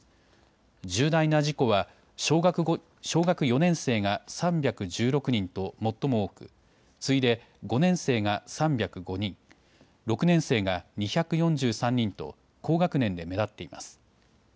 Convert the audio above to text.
重大な事故は小学４年生が３１６人と最も多く次いで５年生が３０５人、６年生が２４３人と高学年で目立っています。